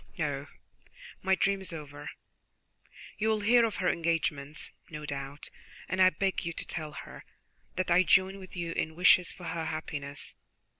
No, my dream is over. You will hear of her engagement, no doubt, and I beg you to tell her that I join with you in wishes for her happiness.